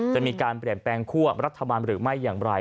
จะมีการเปลี่ยนแปลงคั่วรัฐบาลหรือไม่อย่างไร